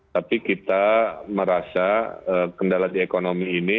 tapi kita merasa kendala di ekonomi ini